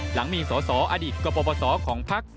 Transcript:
หลังมีสอสออดิตกระปบสอของพัก